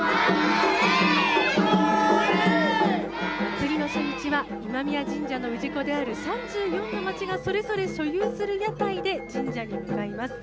祭りの初日は、今宮神社の氏子である３４の町がそれぞれ所有する屋台で神社に向かいます。